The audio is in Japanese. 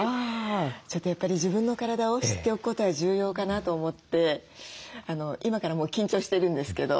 ちょっとやっぱり自分の体を知っておくことは重要かなと思って今からもう緊張してるんですけど。